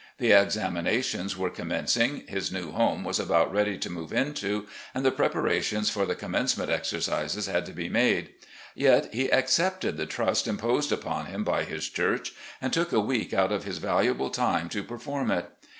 The examinations were commencing, his new home was about ready to move into, and the preparations for the commencement exer cises had to be made; yet he accepted the trust imposed upon him by his church and took a week out of his valu LEE'S LETTERS TO HIS SONS 353 able time to perform it.